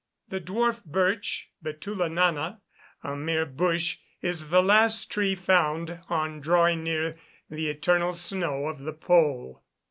The dwarf birch (Betula nana), a mere bush, is the last tree found on drawing near the eternal snow of the pole.